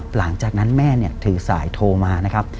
หลังจากนั้นแม่ถือสายโทรมา